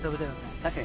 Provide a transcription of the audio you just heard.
確かに。